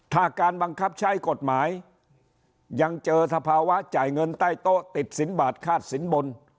ถ้าการบังคับใช้กฎหมายยังเจอสภาวะจ่ายเงินใต้โต๊ะติดสินบาทคาดสินบน